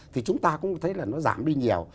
thì chúng ta cũng thấy là nó giảm đi nhiều